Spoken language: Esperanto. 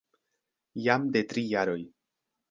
Jam de tri jaroj.